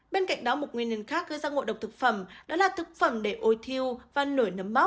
bên cạnh đó một nguyên nhân khác gây ra ngộ độc thực phẩm đó là thực phẩm để ôi thiêu và nổi nấm mốc